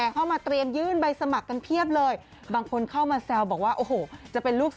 บวกลดคุณหารราคาทอง